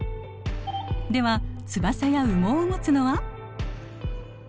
では翼や羽毛をもつのは？